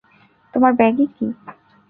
তোমার ব্যাগে কী?